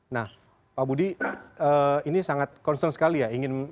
nah pak budi ini sangat concern sekali ya